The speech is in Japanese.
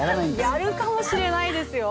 やるかもしれないですよ。